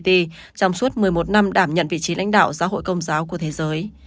trong suốt một mươi một năm đảm nhận vị trí lãnh đạo giáo hội công giáo của thế giới